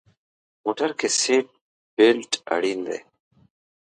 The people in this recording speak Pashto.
موټر کې سیټ بیلټ اړین دی.